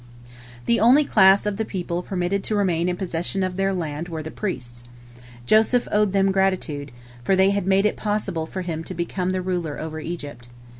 The only class of the people permitted to remain in possession of their land were the priests. Joseph owed them gratitude, for they had made it possible for him to become the ruler over Egypt.